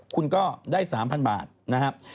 คุณก็ได้๓๐๐บาทนะครับ